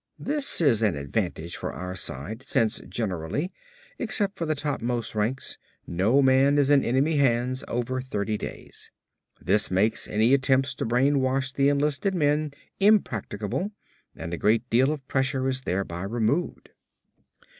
This is an advantage for our side since, generally, except for the topmost ranks, no man is in enemy hands over thirty days. This makes any attempts to brainwash the enlisted men impracticable and a great deal of pressure is thereby removed.